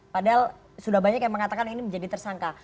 padahal sudah banyak yang mengatakan ini menjadi tersangka